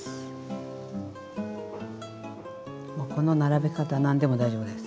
もうこの並べ方何でも大丈夫です。